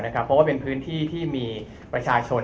เพราะว่าเป็นพื้นที่ที่มีประชาชน